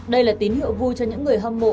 đây là tín hiệu vui cho những người hâm mộ